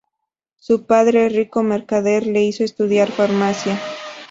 Su padre, rico mercader, le hizo estudiar farmacia.